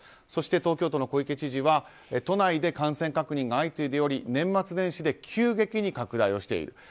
そして、東京都の小池知事は都内で感染確認が相次いでおり年末年始で急激に拡大をしている。